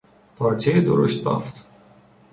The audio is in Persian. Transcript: پارچهی درشت بافت